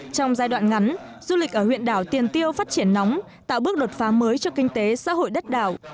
trong giai đoạn ngắn du lịch ở huyện đảo tiền tiêu phát triển nóng tạo bước đột phá mới cho kinh tế xã hội đất đảo